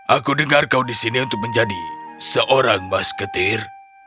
aku dengar kau di sini untuk menjadi seorang masketir